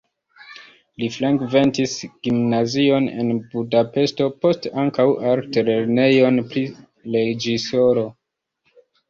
Li frekventis gimnazion en Budapeŝto, poste ankaŭ altlernejon pri reĝisoro.